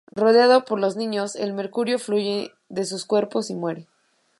Rodeado por los niños, el mercurio fluye de sus cuerpos, y muere.